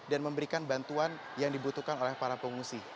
dan memberikan bantuan yang dibutuhkan oleh para pengungsi